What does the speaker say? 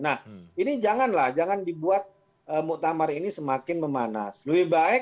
nah ini janganlah jangan dibuat muktamar ini semakin memanas lebih baik saya sudah bilang